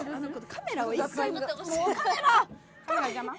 カメラ邪魔？